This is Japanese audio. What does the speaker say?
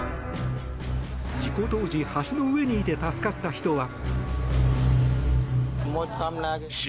事故当時、橋の上にいて助かった人は。